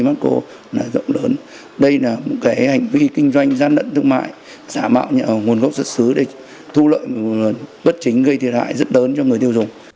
bất chính gây thiệt hại rất đớn cho người tiêu dùng